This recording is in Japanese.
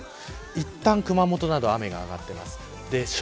いったん熊本など雨が上がっています。